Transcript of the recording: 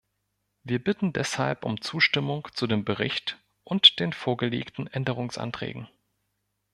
Wir bitten deshalb um Zustimmung zu dem Bericht und den vorgelegten Änderungsanträgen.